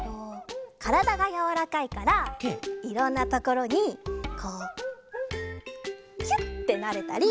からだがやわらかいからいろんなところにこうキュッてなれたり。